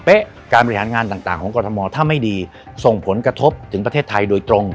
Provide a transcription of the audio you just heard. การบริหารงานต่างของกรทมถ้าไม่ดีส่งผลกระทบถึงประเทศไทยโดยตรง